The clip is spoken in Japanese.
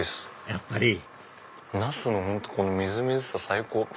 やっぱりナスのみずみずしさ最高！